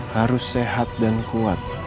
harus sehat dan kuat